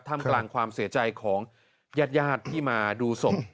ทำกลางความเสียใจของญาติที่มาดูศพ